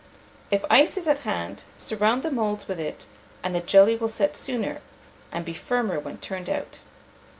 If ice is at hand, surround the moulds with it, and the jelly will set sooner, and be firmer when turned out.